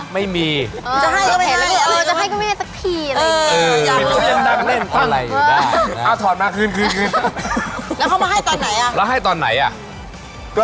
ไม่มีอะไรอะไรอย่างนี้